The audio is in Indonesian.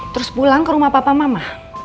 terus pulang ke rumah papa mama